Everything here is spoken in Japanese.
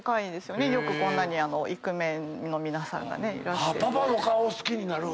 よくこんなにイクメンの皆さんがね。パパの顔好きになる。